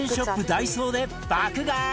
ダイソーで爆買い！